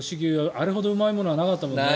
あれほどうまいものはなかったもんね。